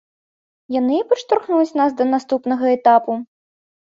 Яны і падштурхнуць нас да наступнага этапу.